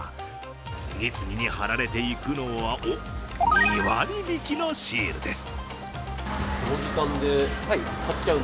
次々に貼られていくのは２割引きのシールです。